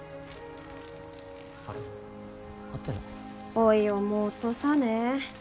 おい思うとさね